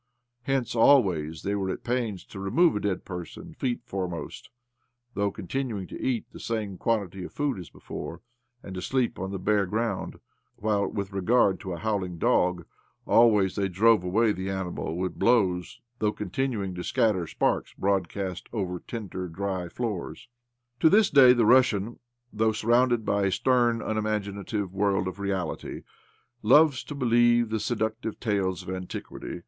Hence always they, were at pains to remove a dead person feet foremost — though con tinuing to eat the same quantity of food as before, and to sleep on the bare ground; while, with regard to a howling dog, always they drove away the animal with blows — though continuing to scatter sparks broad cast over trader dry floors. To this day the Russian, though sur rounded by a stern, unimaginative world of reality, loves to believe the seductive tales of antiquity.